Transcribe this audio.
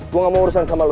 gue gak mau urusan sama lo